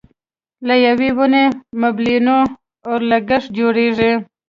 له یوې ونې مېلیونه اورلګیت جوړېږي.